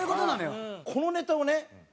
このネタをね